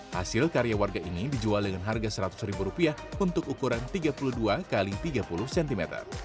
hasil karya warga ini dijual dengan harga seratus ribu rupiah untuk ukuran tiga puluh dua x tiga puluh cm